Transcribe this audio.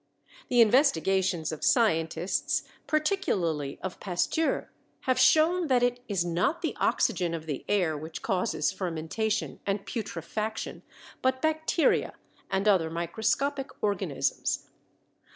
The investigations of scientists, particularly of Pasteur, have shown that it is not the oxygen of the air which causes fermentation and putrefaction, but bacteria and other microscopic organisms.